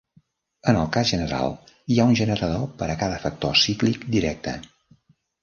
En el cas general hi ha un generador per a cada factor cíclic directe.